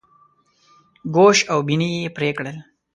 ګوش او بیني یې پرې کړل.